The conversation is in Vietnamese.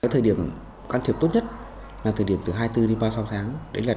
thời điểm can thiệp tốt nhất là thời điểm từ hai mươi bốn đến ba mươi sáu tháng